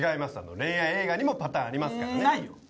恋愛映画にもパターンありますからないよ